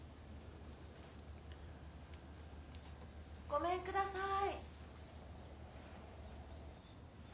・ごめんください。